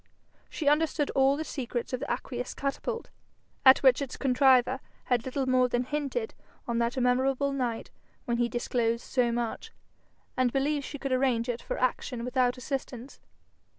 She understood all the secrets of the aqueous catapult, at which its contriver had little more than hinted on that memorable night when he disclosed so much, and believed she could arrange it for action without assistance.